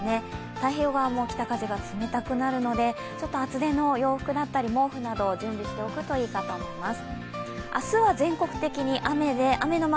太平洋側も北風が冷たくなるので厚手の洋服だったり、毛布を準備しておくといいと思います。